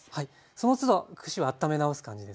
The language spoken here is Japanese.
そのつど串はあっため直す感じですか？